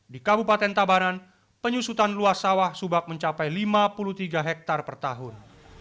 di kabupaten tabanan penyusutan luas sawah subak mencapai lima puluh tiga hektare per tahun